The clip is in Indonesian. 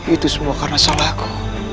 itu semua karena salahku